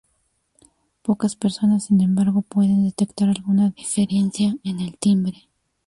Pocas personas, sin embargo, pueden detectar alguna diferencia en el timbre.